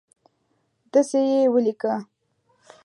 دسي یې ولیکه